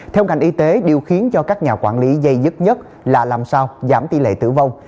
theo ngành y tế điều khiến cho các nhà quản lý dây dứt nhất là làm sao giảm tỷ lệ tử vong